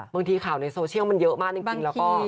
บางทีข่าวในโซเชียลมันเยอะมากจริงแล้วก็